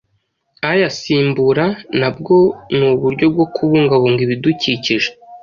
ayasimbura na bwo ni uburyo bwo kubungabunga ibidukikije.